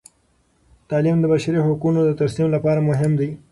تعلیم د بشري حقونو د ترسیم لپاره مهم دی.